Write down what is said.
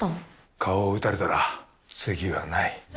顔を打たれたら、次はない。